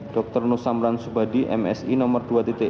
dr nusamran subadi m s i nomor dua dua puluh lima